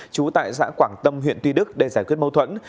trú tại xã quảng tâm huyện tuy đức để giải quyết mâu thuẫn